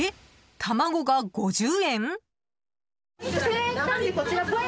卵が５０円？